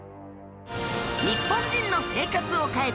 日本人の生活を変えた！